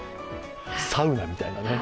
サウナみたいなね。